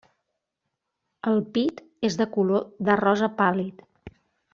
El pit és de color de rosa pàl·lid.